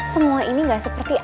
semua ini gak seperti asli